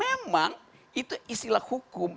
memang itu istilah hukum